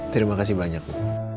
terima kasih banyak bu